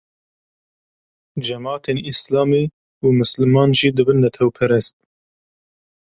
cemeatên Îslamê û misliman jî dibin netewperest